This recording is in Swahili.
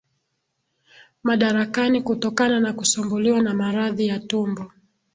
Madarakani kutokana na kusumbuliwa na maradhi ya tumbo